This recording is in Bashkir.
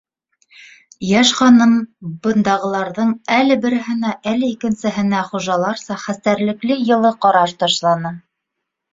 Йәш ханым бындағыларҙың әле береһенә, әле икенсеһенә хужаларса хәстәрлекле йылы ҡараш ташланы.